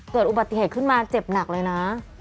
เกิดอุบัติเหตุขึ้นมาเจ็บหนักเลยนะ